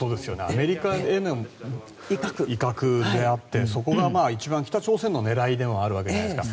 アメリカへの威嚇であってそこが一番、北朝鮮の狙いでもあるわけじゃないですか。